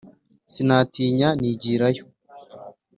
Sinatinya nigira yo.